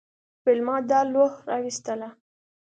ویلما دا لوحه راویستله